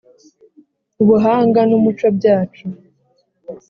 ubuhanga n’umuco byacu,